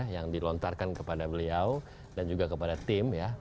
yang dilontarkan kepada beliau dan juga kepada tim ya